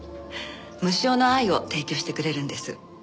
無償の愛を提供してくれるんです。